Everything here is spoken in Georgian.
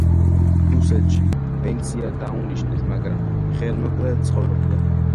რუსეთში პენსია დაუნიშნეს, მაგრამ ხელმოკლედ ცხოვრობდა.